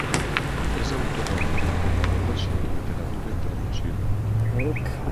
És autora d'una vintena d'obres sobre literatura i traducció.